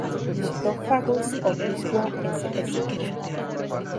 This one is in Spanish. Nothofagus obliqua ssp.